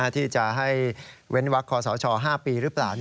ที่จะให้เว้นวักคอสช๕ปีหรือเปล่า